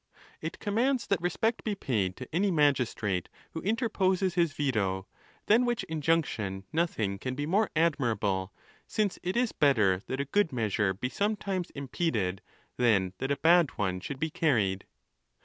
It commands that respect be paid to any magistrate who interposes his veto; than which injunction nothing can be more admirable, since it is better that a good measure be sometimes impeded, than that a bad one should be carried.